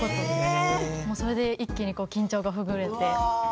それで一気に緊張がほぐれて。